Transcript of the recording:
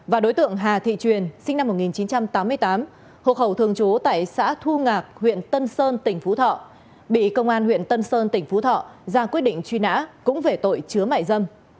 và đối tượng hà thị truyền sinh năm một nghìn chín trăm tám mươi tám hộ khẩu thường trú tại xã thu ngạc huyện tân sơn tỉnh phú thọ bị công an huyện tân sơn tỉnh phú thọ ra quyết định truy nã cũng về tội chứa mại dâm